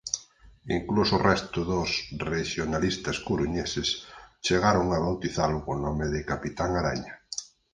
Incluso o resto dos rexionalistas coruñeses chegaron a bautizalo co nome de Capitán Araña.